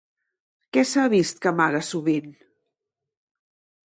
Què s'ha vist que amaga sovint?